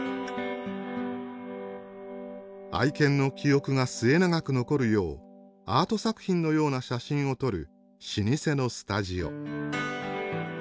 愛犬の記憶が末永く残るようアート作品のような写真を撮る老舗のスタジオ。